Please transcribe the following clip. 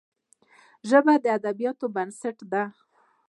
ژبه د ادبياتو بنسټ ده